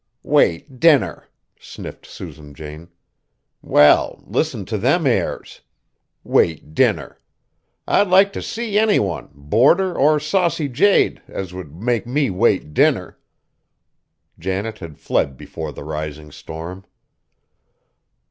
"Wait dinner!" sniffed Susan Jane; "well, listen t' them airs! Wait dinner! I'd like t' see any one, boarder or saucy jade, as would make me wait dinner!" Janet had fled before the rising storm.